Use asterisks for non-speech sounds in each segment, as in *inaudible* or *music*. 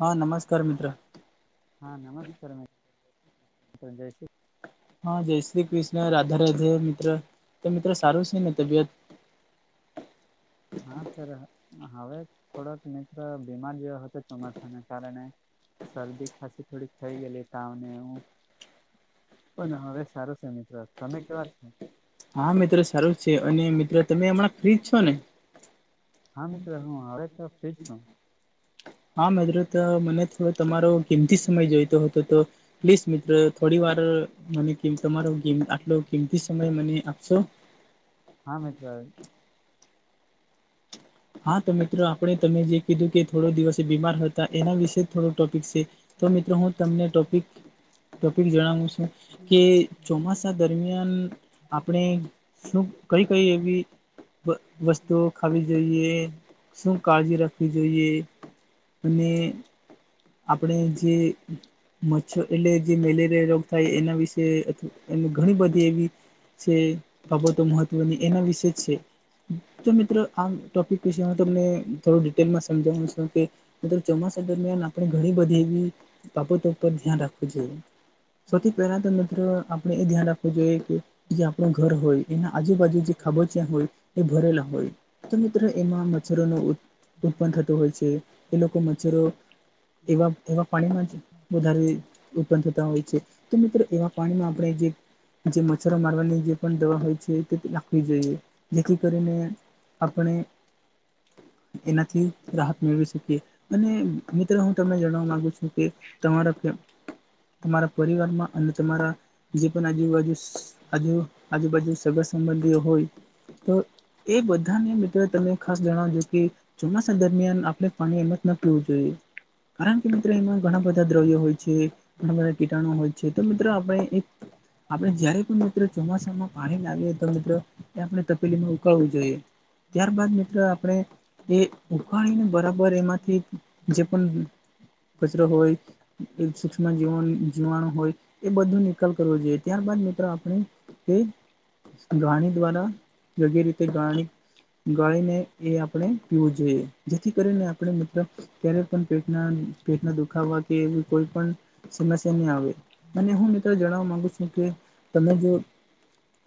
હા નમસ્કાર મિત્ર. હા નમસ્કાર સંજય છે હા જય શ્રી કૃષ્ણ રાધા રાજે મિત્ર તો મિત્ર સારું છે. ને તબિયત- *inaudible* *inaudible* હા સર હવે થોડોક મિત્ર બીમાર જેવા હતો તર સાને કારણે શરદી ખાંસી થોડી થઈ ગયલી તાવને હું પણ હવે સારું છે મિત્રો તમે કેવા છો? હા મિત્રો સારું છે અને મિત્રો તમે હમણાં ફ્રીજ છો ને? હા મિત્રો હું હવે તો ફ્રીજ છું. હા મિત્ર મને થોડો તમારો કિમતી સમય જોઈતો હતો તો પ્લીઝ મિત્રો થોડીવાર મને તમારો આટલો કિમતી સમય મને આપશો? હા મિત્ર. હા તો મિત્રો આપણે તમે જે કીધું કે થોડા દિવસે બીમાર હતા એના વિશે થોડો ટોપિક છે. તો મિત્રો હું તમને ટોપિક ટોપિક જણાવું છું કે ચોમાસા દરમિયાન આપણે શું કઈ કઈ એવી વસ્તુઓ ખાવી જોઈએ શું કાળજી રાખવી જોઈએ અને આપણે જે મચ્છર એટલે જે મેલેરિયા રોગ થાય એના વિશે એ ઘણી બધી એવી છે બાબતો મહત્વની એના વિશે જ છે. તો મિત્રો આ ટોપિક વિશે હું તમને થોડું ડિટેલમાં સમજાવું છું કે મિત્ર ચોમાસા દરમિયાન આપણે ઘણી બધી એવી બાબતો પર ધ્યાન રાખવું જોઈએ. સૌથી પહેલા તો મિત્રો આપણે એ ધ્યાન રાખવું જોઈએ કે જે આપણ ઘર હોય એના આજુબાજુ જે ખાબોચિયા હોય એ ભરેલા હોય. તો મિત્ર એમાં મચ્છરો ન ઉત્પન્ન થતું હોય છે એ લોકો મચ્છરો એવા એવા પાણીમાં જ વધારે ઉત્પન થતા હોય છે તો મિત્રો એવા પાણીમાં આપણે જે જે મચ્છરો મારવાની જે પણ દવા હોય છે તે લખવી જોઈએ જેથી કરીને આપણે એનાથી રાહત મેળવી શકીએ અને હું તમને જણવા માંગુ છું કે તમારા તમારા પરિવારમાં અને તમારા જે પણ આજુબાજુ આજુ આજુબાજુ સગા સંબંધીઓ હોય તો એ બધાને મિત્રો તમે ખાસ જણાવજો કે ચોમાસા દરમિયાન આપણે પાણી એમ જ ના પીવું જોઈએ. કારણ કે મિત્રો એમાં ઘણા બધા દ્રવ્યો હોય છે, ઘણા બધા કીટાણુ હોય છે, તો મિત્રો આપણે એક આપડણે જયારે પણ મિત્રો ચોમાસામાં પાણી લાવીએ તો મિત્રો કે આપણે તપેલીમાં ઉકાળવું જોઈએ. *inaudible* પણ કચરો હોય સૂક્ષ્મ જીવ જીવાણું હોય એ બધો નિકાલ કરવો જોઈએ ત્યારબાદ મિત્રો આપણે તે ગાણી દ્વારા યોગ્ય રીતે ગાણી ગાળીને એ આપણે પીવું જોઈએ જેથી કરીને આપણે મિતલબ ત્યારે પેટના પેટના દુખાવા કે કોઈ પણ સમસિયા ની આવે અને હું મિત્ર જણાવવા માંગુ છું કે તમે જો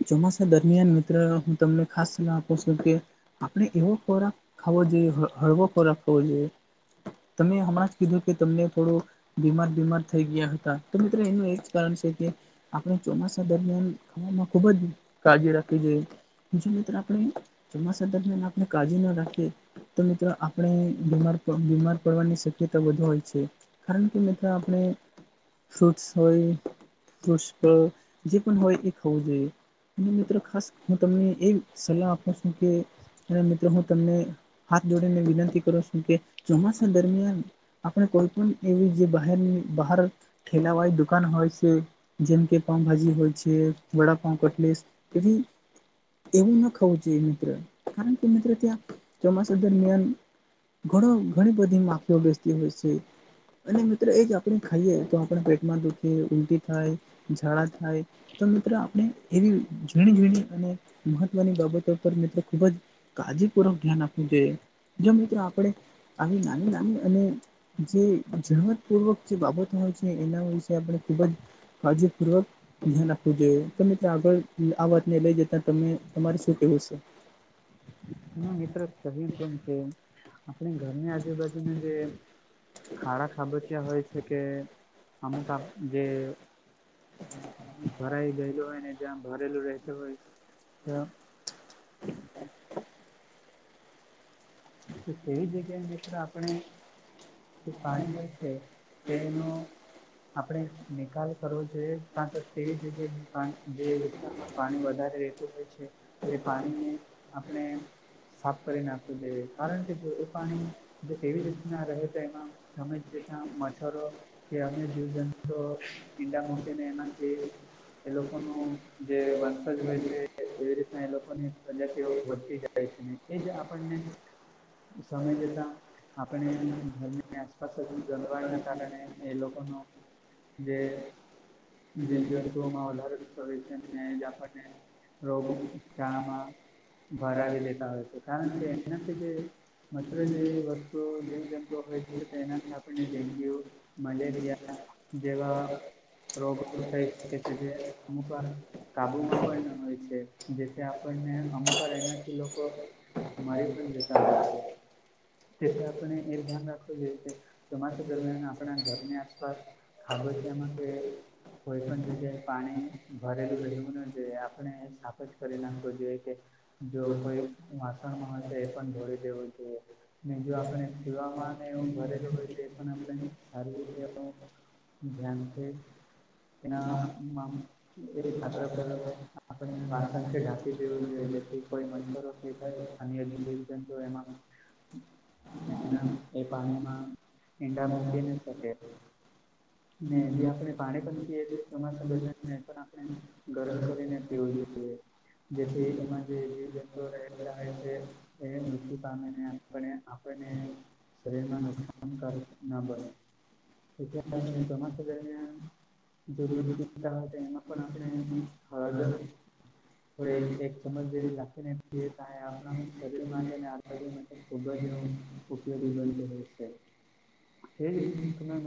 ચોમાસા દરમિયાન મિત્ર હું તમને ખાસ સલાહ આપું છું કે આપણે એવો ખોરાક ખાવો જોઈએ હળવો ખોરાક ખાવો જોઈએ. તમે હમણાં કીધું કે તમને થોડું બીમાર બીમાર થઈ ગયા હતા તો મિત્રો એનું એક કારણ છે કે આપણે ચોમાસા દરમિયાન ખાવામાં ખુબ જ કાળજી રાખવી જોઈએ. જો મિત્ર આપણે ચોમાસા દરમિયાન આપણે કાળજી ના રાખીએ તો મિત્ર આપણે બીમાર બીમાર *unintelligible* શક્યતા વધુ હોય છે કારણ કે મિત્ર આપણે *inaudible* પુષપ જેક હોય એ ખાઉજઈ અને મિત્રો ખાસ હું તમને એ સલાહ આપું છું કે અને મિત્ર હું તમને હાથ જોડીને વિનંતી કરું છું કે ચોમાસ દરમિયાન આપણે કોઈ પણ એવી જે બહારની બાર ઠેલાવાય દુકાન હોય છે જેમ કે પાઉભાજી હોય છે વડાપાવ, કટલે તેવી એવું ના ખવું જોઈએ મિત્ર કારણ કે મિત્ર ત્યાં ચોમાસા દરમિયાન ઘણ ઘણી બધી માફીઓ બેસતી હોય છે. અને મિત્રો એ જ આપણે ખાઈએ તો આપણે પેટમાં દુખી ઉઊલટી થાય ઝાડા થાય. તો મિત્રો આપણે એવી જૂણી જૂણી અને મહત્વની બાબતો પર મિત્રો ખુબ જ. કાળજીપૂર્વક ધ્યાન આપવું જોઈએ જો મિત્રો આપણે આવી નાની નાની અને જે જણપૂર્વક જે બાબત હોય છે એના વિશે આપણે ખૂબ જ કાજે પૂર્વક ધ્યાન રાખવું જોઈએ કે મિત્ર આગળ આ વાતને લઈ જતા ત તમારે શું કેવું છે. તમે મિત્ર ક કેમ કે ઘરની આજુબાજુના જે ખાડા ખાબચિયા હોય છે કે અમુક આપજે ભરાઈ ગયેલું હોય ને જ્યાં ભરેલું રહેત હોય ત્યા. તો તેવી જગ્યાએ મિત્ર આપણે જે પાણી હોય છે તેનો આપણે નિકાલ કરવો જોઈએ કાર તો તેવી જગ્યાએ જે- પાણી વધારે રહેેતું હોય છે એ પાણીને આપણે સાફ કરી નાખ કારણ કે જો એ પાણી કેવી રીતના રહે તો એમાં સમય રીના મચ્છરો કે અન્ય જીવ જંતુ ઈંડા મકીને એમાંથી એ લોકોનું જે વંશજ હોય છે એવી રીતના એ લોકોની પ્રજાતિ વધતી જાય. છે નને એ જ આપણને સમય જતા આપણે ઘરની આસપાસ ગલવાળ ના કારણે એ લોકોનો જે જવજંતુમાં વધારે થતા હોય છે આપણને રોગ ચાળા માં ભરાવી લેતાં હોય છે કારણ કે એનાથી જે મચ્છર જેવી વસ્તુઓ જીવ જંતુઓના એનાથી આપણે ડેગ્યુ મલેરિયા જેવા રોગો થઈ શકે છે. જે અમુક વાર કાબુમાં પણ હોય છે. જેથી આપણને અમુક વાર એનાથી લોકો મરી પણ જતા હોય છે. તેથી આપણે એ ધ્યાન રાખવું જોઈએ કે ચોમાસાં દરમિયાન આપણાં ઘરની આસપાસ ખાબોચિયાં માં કે કોઈ પણ જગ્યાએ પાણી ભરેલું રહેવું ન જોઈએ. આપણે સાફ જ કરી નાખવો જોઈએ કે જો કોઈ વાસણમાં હોય તો એ પણ ઢોળી દેવું જોઈએ. ને જો આપણે પીવામાં ને એવું ભરેલું હોય તો એ પણ આપણે સારી રીતે એવું ધ્યાન થી એના મા એ પાત્ર પર આપણે વાસન થી ઢાંકી દેવું જોઈએ જેથી કોઈ મચ્છરો એ થાય, અન્ય જીવજંતુ એમાં એના એ પાણીમાં ઈંડા મૂકી ના શકે. ને જે આપણે પાણી પણ પીએ છીએ ચોમાસા દરમિયાન એ પણ આપણે ગરમ કરીને પીવું જોઈએ. જેથી એમાં જે જીવ જંતુ રહે આવે છે. એ મૃત્યુ પામેને આપણે આપણને શરીરમાં નુકસાનકારક ના બને. *unintelligible* આપણે ચોમાસું દરમિયાન જો દૂધ પીતા હોય તો એમાં પણ આપણે હળદ થોડી એક ચમચ જેવી રાખીને પીએ, થાય આપણા શરીર માટેને આ મતલબ ખૂબ જ એવું ઉપયોગી બંધ રહેશે. એવી *unintelligible* રીતના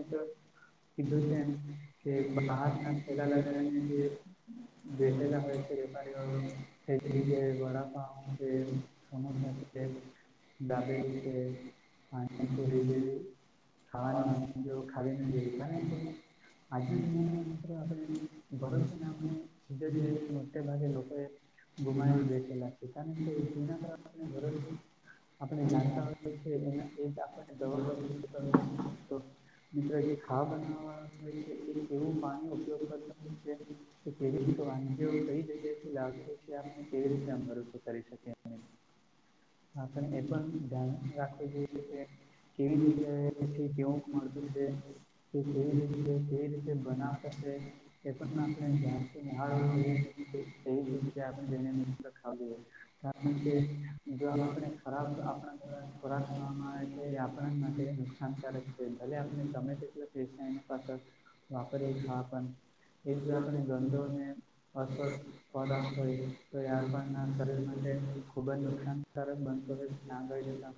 કીધું તેમ કે, બહાર ના થૈલા લગાડી જે બેઠેલા હોય છે. વેપારીઓ કયી જગ્યાએ વડાપાઉં કે સમોસાની પ્લેટ દાબેલી કે પાણીપુરી જેવી ખાવાની વાનગીઓ ખાવી ન જોઈએ કારણ કે આજના જમાનામાં મિત્ર આપણે ભરોસો નામને કે જે મોટે ભાગે લોકો એ ગુમાવી બેઠેલા છે. કારણ કે જેના પર આપણે ભરોસો આપણે જાણતા હોય છે, એ એ જ આપણને દવો કરી દેતા હોય છે. તો મિત્રો જે ખાવાં બનાવવાં વાળાં હોય છે. એ કેવું પાણી ઉપયોગ કરતાં હોય છે કે કેવી ક તવાનગીઓ કઈ જગ્યા થી લાવત *unintelligible* પછી આપણે કેવી રીતે *unintelligible* કરી શકીએ આપણે. આપણે એ પણ ધ્યાન રાખવું જોઈએ કે કેવી જગ્યાએથી, કેવુંક મળતું છે. *unintelligible* કેવી રીતે બનાવતા છે. તે પણ આપણે ધ્યાનથી નિહાળવું જોઈએ, તે આપણેને મિત્ર ખાવું જોઈએ. કારણ કે જો આપણે ખરાબ આપણા ઘણા ખોરાક ખાવામાં આવે તે આપણ માટે નુકસાનકારક છે. ભલે આપણે ગમે તેટલો પૈસા એની પાછળ વાપરે એક હા પણ *unintelligible* એ જો આપણે ગંદો અને અસ્વસ્થ ખોરાક હોય તો એ આપણના શરીર માટે ખુબ જ નુકસાનકારક બનતો હોય છે. ત્યાં આગળ જતાં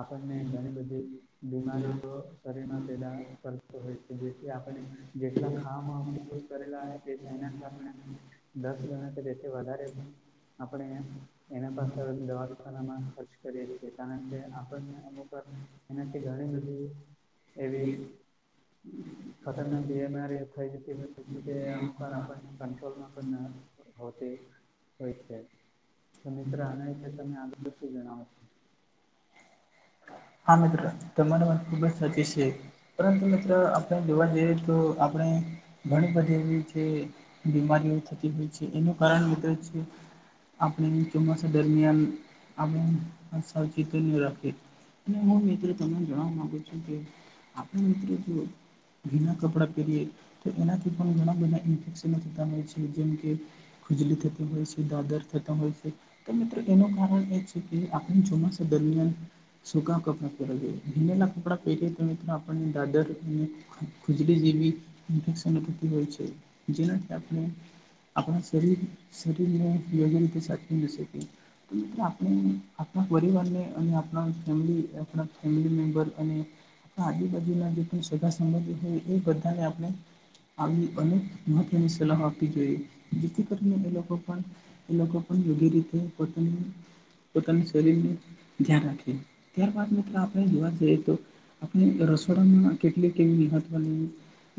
આપણને ઘણી બધી બીમારીઓ શરીરમાં પેદા કરતો હોય. જેથી આપણને જેટલાં ખાવામાં ઉપયોગ કરેલાં પૈસા એનાથી આપણે દસ ગણા કે બે વધારે પણ આપણે એના પાછળ દવાખાનામાં ખર્ચ કરીએ છીએ કારણ કે આપણને અમુક વાર એનાથી ઘણી બધી એવી ખતરનાક બીમારી થઈ જતી હોય છે કે અમુક વાર આપણને કંટ્રોલમાં પણન હોતી હોય છે તો મિત્ર આના વિશે તમે આગળ શું જણાવો હા મિત્રો તમારી વાત ખૂબ જ સાચી છે પરંતુ મિત્રો આપણે. જોવા જઈએ તો આપણે ઘણી બધી એવી છે. બીમારીઓ થતી હોય છે એનું કારણ મિત્ર છે. આપણે ચોમાસા દરમિયાન આપણે સાવચેતન્ય રાખીએ. અને હું મિત્રો તમને જણવા માગુ છું કે આપણા મિત્રો જો. ઘીના કપડાં પહેરીએ તો એનાથી પણ ઘણા બધા ઇન્ફેક્શનો થતા હોય છે. જેમ કે ખુજલી થેતા હોય છે દાદર થેતા હોય છે. તો મિત્રો એનું કારણ એ છે કે આપણે ચોમાસા દરમિયાન. સૂકા કપડાં પહેરવા દઈએ ભીનેલા કપડાં પહેરીએ તો મિત્રો આપણે દાદર અને. ખુજ જેવી હોય છે જેનાથી આપણે. આપણા શરીર શરીર યોજન રીતે સાચી દશે કે. તો રીતે આપણે આપણા પરિવારને અને આપણા. ફેમિલી આપણા ફેમિલી મેમ્બર અને. આજુબાજુના જે સગા સંબંધ હોય એ બધાને આપણે. આવી અનેક મહત્વની સલાહ આપવી જોઈએ જેથી કરીને એ લોકો પણ. એ લોકો પણ યોગ્ય રીતે પોતાની પોતાના શરીરને ધ્યાન રાખે. ત્યારબાદ મિત્રો આપણે જોવા જઈએ તો આપણે રસોડામાં કેટલી કેવી મહતવાની.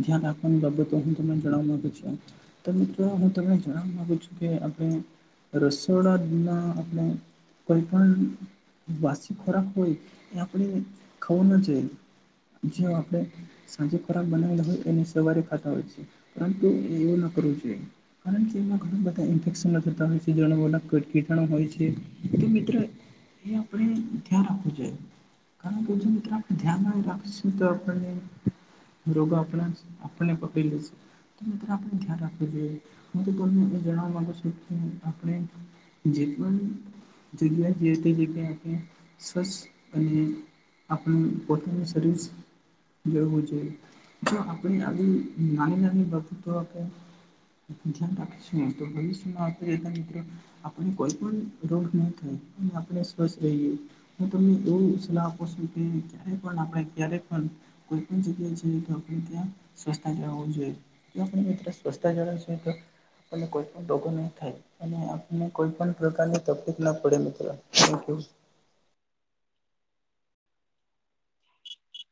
ધ્યાન રાખવાની બાબતો હું તમને જણાવ માગું છું. તમે મિત્ર હુ તમને જણાવ માગુ છુ કે આપણે. રસોડાના આપણે કોઈ પણણ વાસી ખોરાક. કોય એ આપડી ખાવો જોઈએ. જે આપણે સાંજે ખોરાક બનાવેલો હોય એને સવારે ખાતા હોય છે. પરંતુ એવું ન કરવુ જોઈએ. કારણ કે એમાં ઘણાં બધા ઇન્ફેક્શનો થતાં હોય છે, જેણા બોલા કીટ કીટણો હોય છે. તો મિત્રો એ આપણે ધ્યાન રાખવું જોઈએ. કારણ કે જો મિત્રો આપણે ધ્યાનમાં રાખીશું તો આપણને. રોગો આપણા આપને પકડી લે છે. તો મીત્ર આપણને ધ્યાન રાખવું જોઈએ હું તો તમને એ જણાવવા માગું છું કે આપણે જે પણ જગ્યાએ તે જગ્યા આપણે બસ અને આપણું પોતાનું શરીસ જોવું જોઈ, જો આપણી આવી નાની નાની બાબતો આપણે ધ્યાન રાખીશું ભવિષ્ય મા *unintelligible* મિત્ર આપણે કોઈ પણ રોગ ન થાય અને આપણે સ્વસ્થ રહીએ હું તમને એવું સલાહ આપું છું કે ક્યારે પણ આપણે ક્યારેક પણ કોઈ પણ જગ્યા જઈ તો આપણે ત્યાં સ્વચ્છતા જાળવું જોઈએ. જો આપણે મિત્ર સ્વચછતા જાળવી છે તો આપને કોઈ પણ રોગો નહી થાય. અને આપને કોઈ પણ પ્રકારની તકલીફ ના પડે મિત્ર *inaudible*